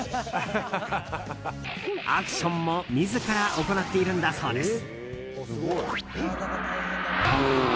アクションも自ら行っているんだそうです。